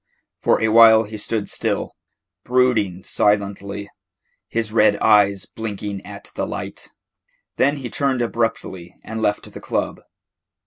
For a while he stood still, brooding silently, his red eyes blinking at the light. Then he turned abruptly and left the club.